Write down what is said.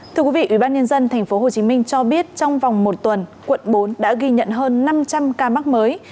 thưa quý vị ubnd tp hcm cho biết trong vòng một tuần quận bốn đã ghi nhận hơn năm trăm linh ca mắc mới